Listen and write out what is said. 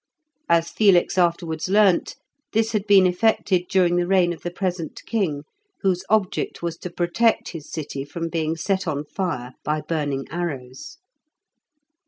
As Felix afterwards learnt, this had been effected during the reign of the present king, whose object was to protect his city from being set on fire by burning arrows.